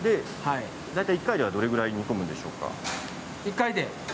大体１回ではどれくらい煮込むんですか？